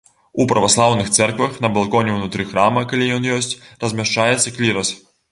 У праваслаўных цэрквах на балконе ўнутры храма, калі ён ёсць, размяшчаецца клірас.